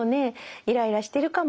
イライラしてるかも。